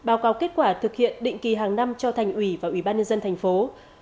báo cáo kết quả thực hiện định kỳ hàng năm cho thành ủy và ubnd tp hcm